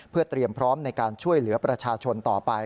เพื่อเตรียมพร้อมในการช่วยเหลือประชาชนต่อไป